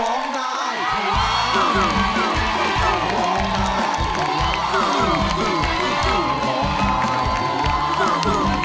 ร้องได้ให้ร้าน